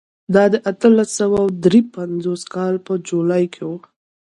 دا د اتلس سوه درې پنځوس کال په جولای کې و.